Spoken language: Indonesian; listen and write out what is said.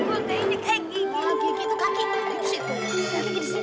pak tahu lu kemana sih